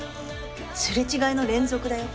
すれ違いの連続だよ。